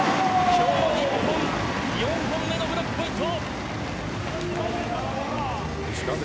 今日日本、４本目のブロックポイント。